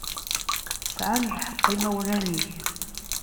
Sɛan lḥeqq yimawlan-ik.